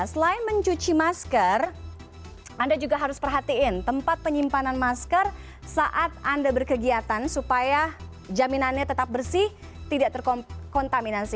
selain mencuci masker anda juga harus perhatiin tempat penyimpanan masker saat anda berkegiatan supaya jaminannya tetap bersih tidak terkontaminasi